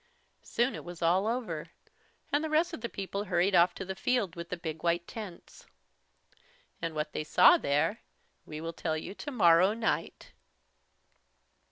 Soon it was all over, and the rest of the people hurried off to the field with the big white tents. And what they saw there we will tell you tomorrow night.